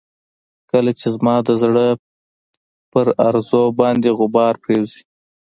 کله چې زما د زړه پر ارزو باندې غبار پرېوځي.